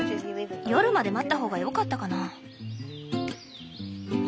夜まで待ったほうがよかったかな。